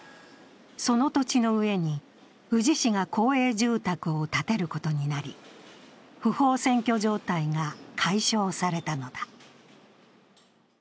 その土地の上に宇治市が公営住宅を建てることになり、不法占拠状態が解消されたのだ。